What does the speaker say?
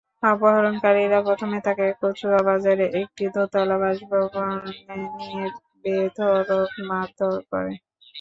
অপহরণকারীরা প্রথমে তাঁকে কচুয়া বাজারে একটি দোতলা বাসভবনে নিয়ে বেধড়ক মারধর করে।